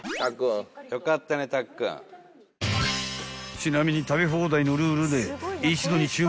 ［ちなみに食べ放題のルールで］